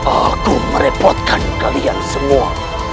aku merepotkan kalian semua